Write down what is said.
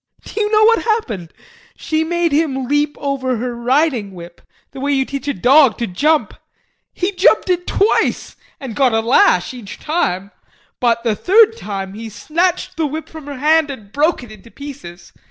Do you know what happened? She made him leap over her riding whip, the way you teach a dog to jump. He jumped it twice and got a lash each time; but the third time he snatched the whip from her hand and broke it into pieces.